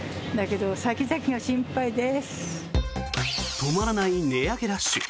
止まらない値上げラッシュ。